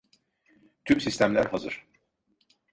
Tüm sistemler hazır.